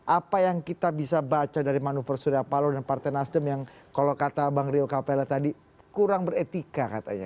apa yang kita bisa baca dari manuver suryapalo dan partai nasdem yang kalau kata bang rio capella tadi kurang beretika katanya